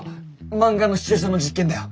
漫画のシチュエーションの実験だよ。